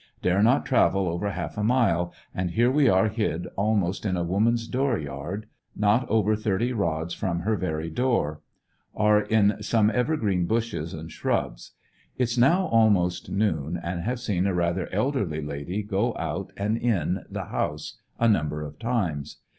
Dare not travel over half a mile, and here we are hid almost in a woman's door yard, not over thirty rods from her very door. Are in some evergreen bushes and shrubs, It's now most noon, and have seen a rather eldeily lady go out and in the house a number of times.